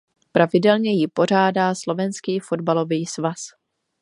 Pravidelně ji pořádá Slovenský fotbalový svaz.